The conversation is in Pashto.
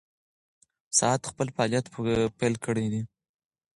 ساعت خپل فعالیت پیل کړی دی.